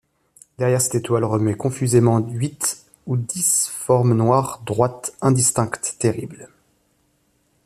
Derrière cette étoile remuaient confusément huit ou dix formes noires, droites, indistinctes, terribles.